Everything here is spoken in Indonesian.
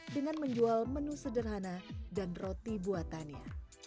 dengan menjual menu sederhana dan roti buatannya